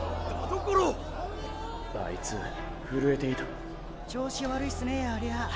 あいつ震えていた⁉調子悪いスねありゃ。